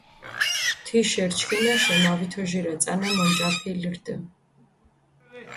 თიშ ერჩქინაშე მავითოჟირა წანა მონჭაფილ რდჷ.